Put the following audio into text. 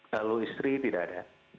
kalau istri tidak ada